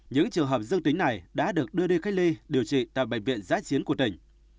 những trường hợp dương tính này đã được đưa đi cách ly điều trị tại bệnh viện giãi chiến của tỉnh